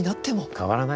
変わらない。